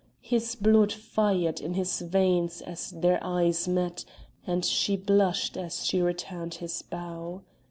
His blood fired in his veins as their eyes met, and she blushed as she returned his bow.